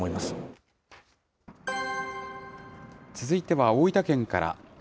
続いては大分県から。